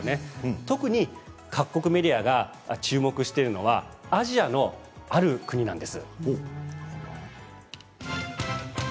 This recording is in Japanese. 特に各国メディアが注目しているのはアジアのある国なんです。